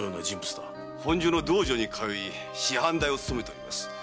本所の道場に通い師範代を務めております。